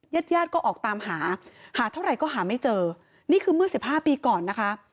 เย็ดก็ออกตามหาหาเท่าไหร่ก็หาไม่เจอนี่คือเมื่อ๑๕ปีก่อนนะคะ